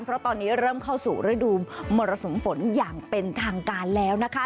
เพราะตอนนี้เริ่มเข้าสู่ฤดูมรสุมฝนอย่างเป็นทางการแล้วนะคะ